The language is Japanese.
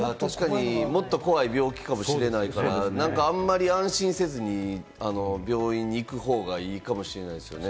もっと怖い病気かもしれないから、あんまり安心せずに病院に行く方がいいかもしれないですね。